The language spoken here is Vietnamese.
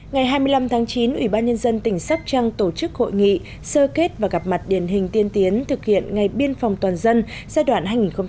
ngày hai mươi năm tháng chín ủy ban nhân dân tỉnh sóc trăng tổ chức hội nghị sơ kết và gặp mặt điển hình tiên tiến thực hiện ngày biên phòng toàn dân giai đoạn hai nghìn chín hai nghìn một mươi chín